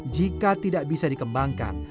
jika tidak bisa dikembangkan